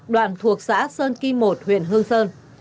đoạn thuộc xã sơn kỳ một huyện hương sơn